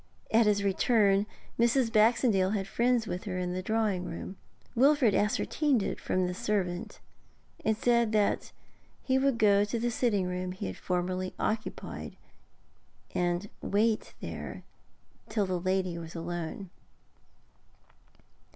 At his return Mrs. Baxendale had friends with her in the drawing room. Wilfrid ascertained it from the servant, and said that he would go to the sitting room he had formerly occupied, and wait there till the lady was alone.